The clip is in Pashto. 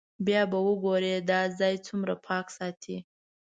بیا به وګورئ دا ځای څومره پاک ساتي.